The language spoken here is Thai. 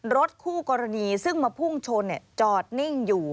รถคู่กรณีซึ่งมาพุ่งชนจอดนิ่งอยู่